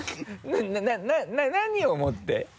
何をもって？